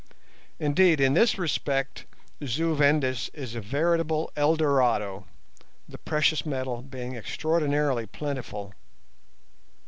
Indeed, in this respect Zu Vendis is a veritable Eldorado, the precious metal being extraordinarily plentiful.